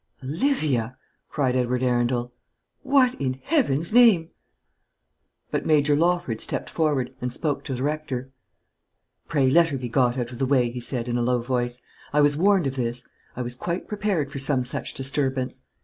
"Olivia!" cried Edward Arundel, "what, in Heaven's name " But Major Lawford stepped forward, and spoke to the rector. "Pray let her be got out of the way," he said, in a low voice. "I was warned of this. I was quite prepared for some such disturbance."